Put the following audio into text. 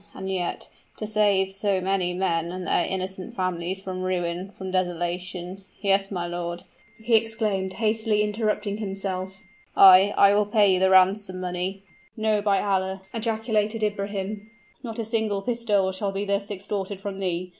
And yet to save so many men and their innocent families from ruin from desolation Yes, my lord," he exclaimed, hastily interrupting himself "I I will pay you the ransom money." "No by Allah!" ejaculated Ibrahim; "not a single pistole shall be thus extorted from thee!